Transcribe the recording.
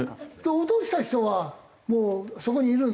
落とした人はもうそこにいるの？